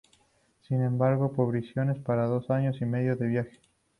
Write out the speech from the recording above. Se embarcaron provisiones para dos años y medio de viaje.